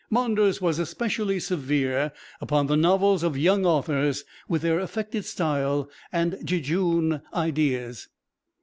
Maunders was especially severe upon the novels of young authors, with their affected style and jejune ideas.